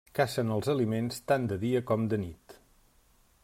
Cacen els aliments tant de dia com de nit.